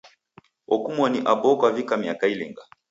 Okumoni Abo kwavika miaka ilinga?